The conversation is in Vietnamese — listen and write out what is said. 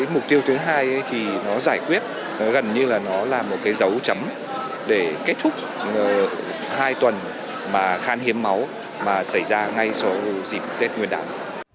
mục tiêu thứ hai thì nó giải quyết gần như là nó là một dấu chấm để kết thúc hai tuần khăn hiến máu mà xảy ra ngay sau dịp tết nguyên đán